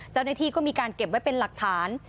เจ้าหน้าที่ก็มีการเก็บไว้เป็นหลักฐาน